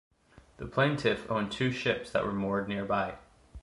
The plaintiff owned two ships that were moored nearby.